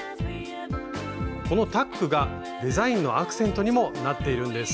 このタックがデザインのアクセントにもなっているんです。